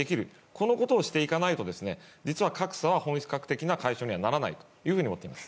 このことをしていかないと実は格差は本格的な解消にならないと思っています。